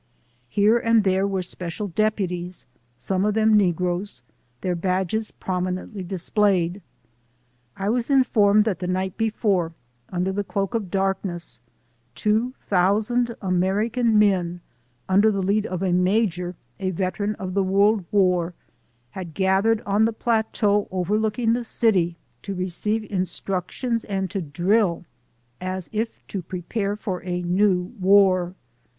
Here and there were special deputies, some of them negroes, their badges prominently displayed. I was informed that the night before, under the cloak of darkness, two thousand American men, under the lead of a major, a veteran of the World War, had gathered on the plateau overlooking the city to receive instructions and to drill, as if to prepare for a new war.